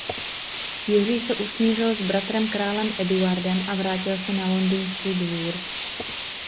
Jiří se usmířil s bratrem králem Eduardem a vrátil se na londýnský dvůr.